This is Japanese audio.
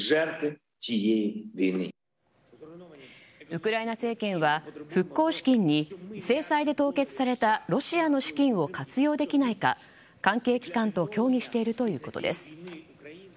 ウクライナ政権は復興資金に制裁で凍結されたロシアの資金を活用できないか関係機関と協議しているということです。